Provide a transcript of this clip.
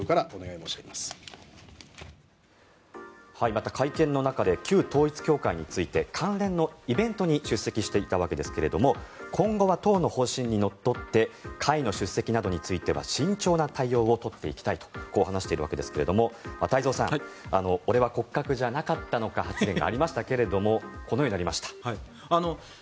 また、会見の中で旧統一教会について関連のイベントに出席していたわけですが今後は党の方針にのっとって会の出席などについては慎重な対応を取っていきたいとこう話しているわけですが太蔵さん、俺は骨格じゃなかったのかという発言がありましたがこのようになりました。